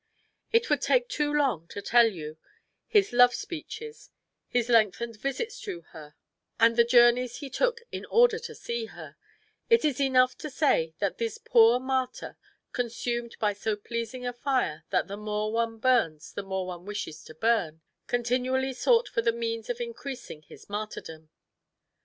It would take too long to tell you his love speeches, his lengthened visits to her, and the journeys he took in order to see her; it is enough to say that this poor martyr, consumed by so pleasing a fire that the more one burns the more one wishes to burn, continually sought for the means of increasing his martyrdom.